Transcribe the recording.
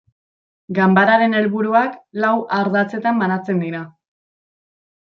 Ganbararen helburuak lau ardatzetan banatzen dira.